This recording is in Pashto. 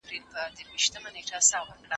دا ډېره ډوډۍ تر بلي هغې ماڼۍ ته ژر وړل کیږي.